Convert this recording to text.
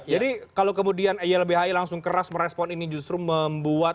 jadi kalau kemudian ylbi langsung keras merespon ini justru membuat